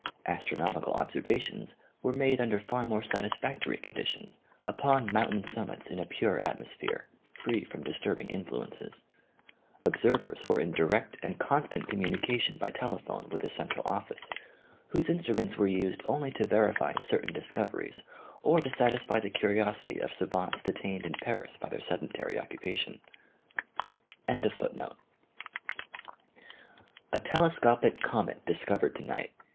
Astronomical observations were made under far more satisfactory con ditions upon mountain summits in a pure atmosphere, free from disturbing influences. Observers were in direct and constant communication by telephone with the central office, whose instruments were used only to verify certain discoveries or to satisfy the curiosity of savants detained in Paris by their sedentary occupation.